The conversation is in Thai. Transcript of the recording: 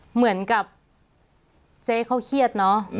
เหมือนกับเจ๊เขาเครียดเนอะ